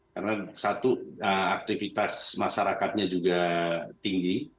karena satu aktivitas masyarakatnya juga tinggi